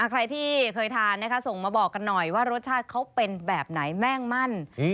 ใครที่เคยทานนะคะส่งมาบอกกันหน่อยว่ารสชาติเขาเป็นแบบไหนแม่งมั่น